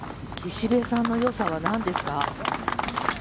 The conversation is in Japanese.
岸部さんのよさはなんですか？